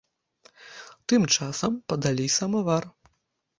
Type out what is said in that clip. Тым часам падалі самавар.